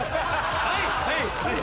はいはいはい。